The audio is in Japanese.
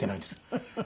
フフフフ。